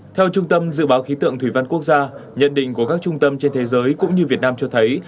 theo trung tâm dự báo khí tượng thủy văn quốc gia nhận định của các trung tâm trên thế giới cũng như việt nam cho thấy